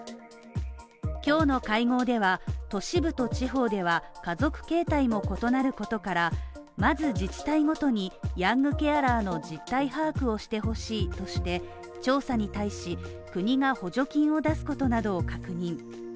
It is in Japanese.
今日の会合では都市部と地方では家族形態も異なることから、まず自治体ごとにヤングケアラーの実態把握をしてほしいとして調査に対し、国が補助金を出すことなどを確認。